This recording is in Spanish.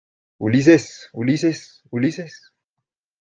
¡ Ulises! ¡ Ulises !¡ Ulises !